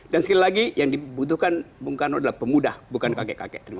dan sekali lagi yang dibutuhkan bung karno adalah pemuda bukan kakek kakek